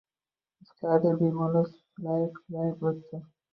Ichkarida... bemorlar sulayib-sulayib o‘tdi.